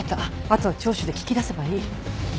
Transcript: あとは聴取で聞き出せばいい。